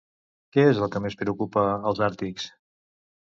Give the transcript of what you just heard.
Què és el que més preocupa als àrtics?